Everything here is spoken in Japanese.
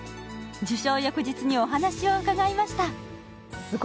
受賞翌日にお話を伺いました。